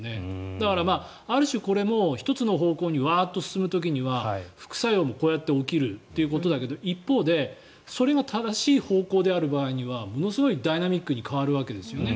だから、ある種これも１つの方向にワーッと進む時には副作用もこうやって起きるということだけど一方で、それが正しい方向である場合にはものすごいダイナミックに変わるわけですよね。